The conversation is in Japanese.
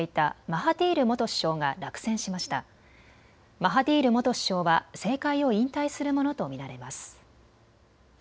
マハティール元首相は政界を引退するものと見られます。